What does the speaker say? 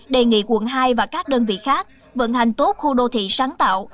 đề nghị quận hai và các đơn vị khác vận hành tốt khu đô thị sáng tạo